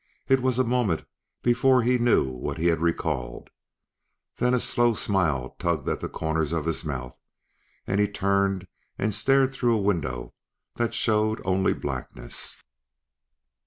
It was a moment before he knew what he had recalled. Then a slow smile tugged at the corners of his mouth, and he turned and stared through a window that showed only blackness.